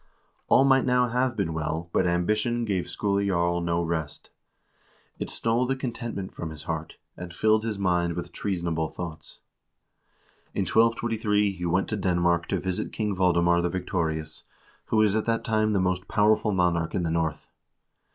All might now have been well, but ambition gave Skule Jarl no rest. It stole the contentment from his heart, and filled his mind with treasonable thoughts. In 1223 he went to Denmark to visit King Valdemar the Victorious, who was at that time the most power ful monarch in the North.